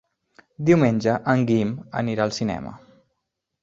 Diumenge en Guim anirà al cinema.